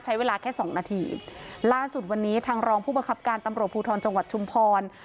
ใช้เวลาแค่สองนาทีล่าสุดวันนี้ทางรองผู้บังคับการตำรวจภูทรจังหวัดชุมพร